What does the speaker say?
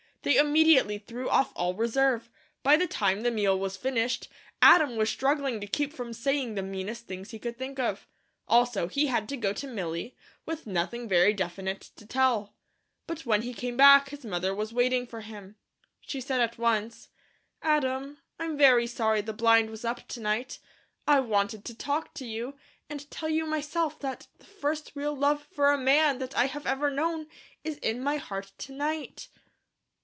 They immediately threw off all reserve. By the time the meal was finished, Adam was struggling to keep from saying the meanest things he could think of. Also, he had to go to Milly, with nothing very definite to tell. But when he came back, his mother was waiting for him. She said at once: "Adam, I'm very sorry the blind was up to night. I wanted to talk to you, and tell you myself, that the first real love for a man that I have ever known, is in my heart to night."